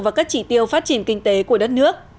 và các chỉ tiêu phát triển kinh tế của đất nước